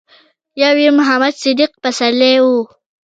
يو يې محمد صديق پسرلی و.